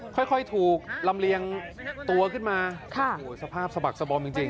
ค่อยค่อยถูกรำเลี้ยงตัวก็มาค่ะโอ้โหสภาพสะบัดสบอบจริงจริง